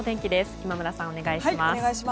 今村さん、お願いします。